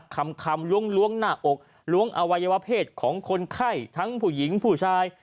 คำล้วงหน้าอกล้วงอวัยวะเพศของคนไข้ทั้งผู้หญิงผู้ชาย